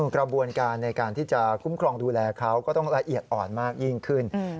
กระบวนการในการที่จะคุ้มครองดูแลเขาก็ต้องละเอียดอ่อนมากยิ่งขึ้น